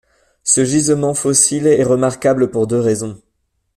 Ce gisement fossile est remarquable pour deux raisons.